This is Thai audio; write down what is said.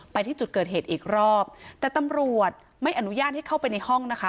ไปที่จุดเกิดเหตุอีกรอบแต่ตำรวจไม่อนุญาตให้เข้าไปในห้องนะคะ